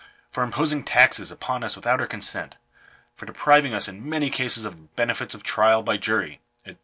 " For imposing taxes upon us without our consent. " For depriving us in many cases of the benefits of trial by jury," &c.